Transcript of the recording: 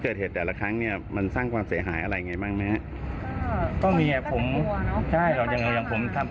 เขาก็มีความรู้สึกว่าไม่ปลอดภัย